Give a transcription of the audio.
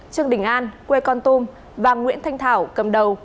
trương đình an quê con tum và nguyễn thanh thảo cầm đầu